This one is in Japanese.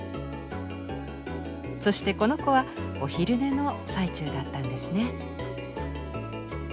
そしてこの子はお昼寝の最中だったんですね。